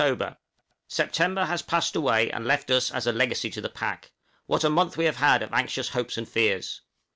_ September has passed away and left us as a legacy to the pack; what a month have we had of anxious hopes and fears!